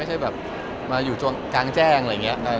ให้แบบมาอยู่กลางแจ้งอะไรอย่างนี้